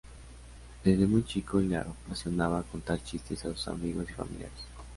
Desde muy chico le apasionaba contar chistes a sus amigos y familiares.